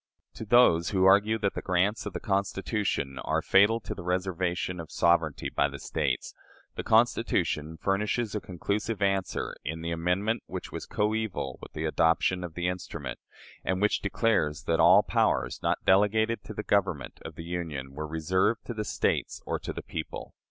To those who argue that the grants of the Constitution are fatal to the reservation of sovereignty by the States, the Constitution furnishes a conclusive answer in the amendment which was coeval with the adoption of the instrument, and which declares that all powers not delegated to the Government of the Union were reserved to the States or to the people.